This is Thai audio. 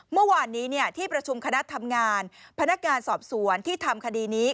เมื่อวานนี้ที่ประชุมคณะทำงานพนักงานสอบสวนที่ทำคดีนี้